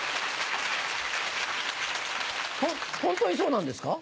ホントにそうなんですか？